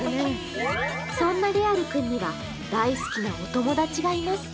そんなれある君には、大好きなお友達がいます。